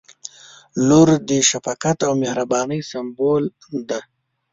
• لور د شفقت او مهربانۍ سمبول دی.